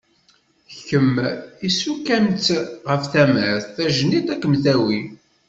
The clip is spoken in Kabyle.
Kemm issuk-am-tt ɣef tamart, tajennit ad kem-tawi.